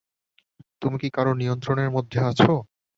তুমি কি কারো নিয়ন্ত্রণের মধ্যে আছো?